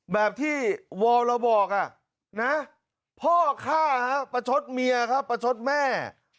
แบบที่วอลเราบอกพ่อฆ่าประชดเมียประชดแม่